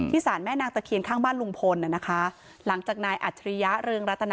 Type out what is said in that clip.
สารแม่นางตะเคียนข้างบ้านลุงพลน่ะนะคะหลังจากนายอัจฉริยะเรืองรัตนา